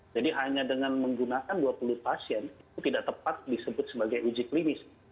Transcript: jadi hanya dengan menggunakan dua puluh pasien itu tidak tepat disebut sebagai uji klinis